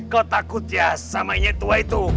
kau takut ya sama ianya tua itu